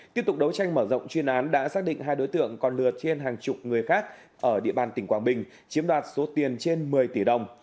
tiếp tục đấu tranh mở rộng chuyên án đã xác định hai đối tượng còn lừa trên hàng chục người khác ở địa bàn tỉnh quảng bình chiếm đoạt số tiền trên một mươi tỷ đồng